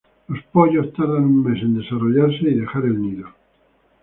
Los pollos tardan un mes en desarrollarse y dejar el nido.